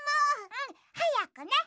うんはやくね。